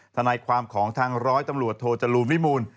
ทนายความของทางร้อยตำรวจโทจรูลวิมูล